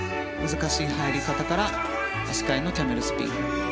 難しい入り方から足換えのキャメルスピン。